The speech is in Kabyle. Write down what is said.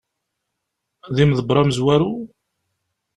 D imeḍebber amezwaru?